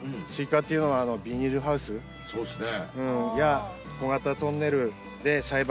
そうですね。